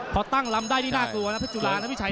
พอตั้งลำได้นี่น่ากลัวนะเพชรจุรานี่ไม่ใช่นะ